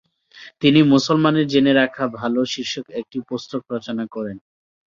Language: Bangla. তিনি মুসলমানের জেনে রাখা ভাল শীর্ষক একটি পুস্তক রচনা করেন।